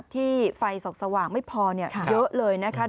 ที่ไฟส่องสว่างไม่พอเยอะเลยนะคะ